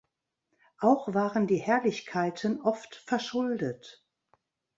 Auch waren die Herrlichkeiten oft verschuldet.